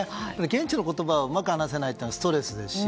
現地の言葉をうまく話せないのはストレスですし。